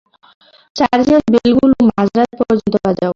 চার্চের বেলগুলো মাঝরাত পর্যন্ত বাঁচাও।